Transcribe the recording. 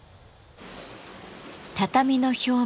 畳の表面